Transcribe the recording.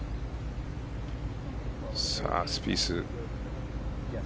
さあ、スピース。